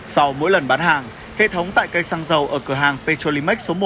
sau mỗi lần bán hàng hệ thống tại cây sang giàu ở cửa hàng petrolimax số một